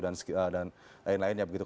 dan lain lainnya begitu